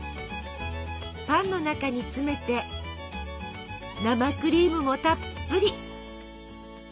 パンの中に詰めて生クリームもたっぷり。